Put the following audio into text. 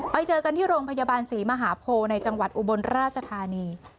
ไปเจอกันที่โรงพยาบาลศรีมหาโพในจังหวัดอุบลราชธานี